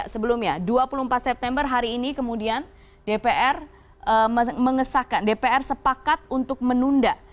sebelumnya dua puluh empat september hari ini kemudian dpr mengesahkan dpr sepakat untuk menunda